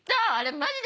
マジで？